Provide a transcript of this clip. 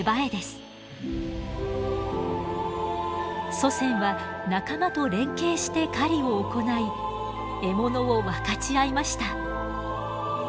祖先は仲間と連携して狩りを行い獲物を分かち合いました。